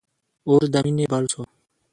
اور د مینی بل سو